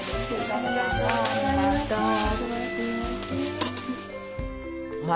ありがとうございます。